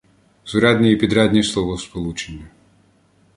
Сурядні і підрядні словосполучення